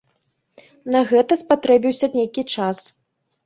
На гэта спатрэбіўся нейкі час.